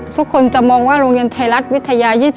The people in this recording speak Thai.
ทุกคนจะมองว่าโรงเรียนไทยรัฐวิทยา๒๔